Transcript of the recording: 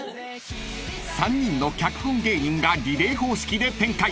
［３人の脚本芸人がリレー方式で展開］